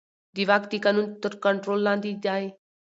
واک د قانون تر کنټرول لاندې دی.